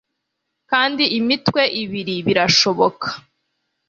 Kandi imitwe ibiri birashoboka